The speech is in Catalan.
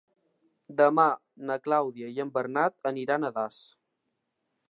Demà na Clàudia i en Bernat aniran a Das.